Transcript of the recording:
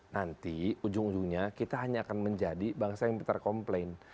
nanti ujung ujungnya kita hanya akan menjadi bangsa yang terkomplain